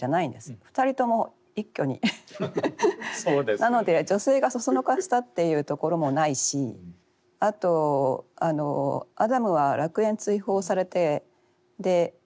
なので女性がそそのかしたというところもないしあとアダムは楽園追放されて神と和解してるんです。